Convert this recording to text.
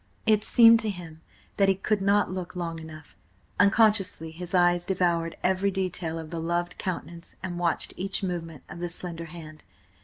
It seemed to him that he could not look long enough. Unconsciously his eyes devoured every detail of the loved countenance and watched each movement of the slender hand.